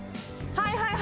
はい